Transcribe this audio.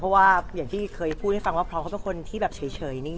เพราะว่าอย่างที่เคยพูดให้ฟังว่าพร้อมเขาเป็นคนที่แบบเฉยนิ่ง